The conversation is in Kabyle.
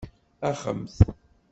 Axemt!